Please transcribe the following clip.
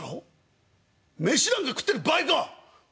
飯なんか食ってる場合か！」。